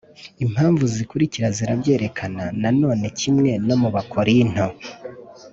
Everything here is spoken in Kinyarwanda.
Impamvu zikurikira zirabyerekana Na none kimwe no mu Abakorinto,